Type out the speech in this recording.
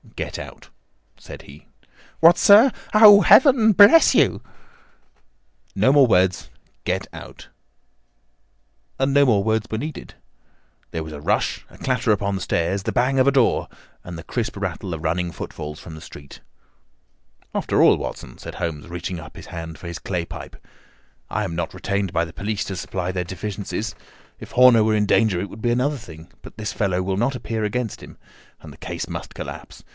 "Get out!" said he. "What, sir! Oh, Heaven bless you!" "No more words. Get out!" And no more words were needed. There was a rush, a clatter upon the stairs, the bang of a door, and the crisp rattle of running footfalls from the street. "After all, Watson," said Holmes, reaching up his hand for his clay pipe, "I am not retained by the police to supply their deficiencies. If Horner were in danger it would be another thing; but this fellow will not appear against him, and the case must collapse.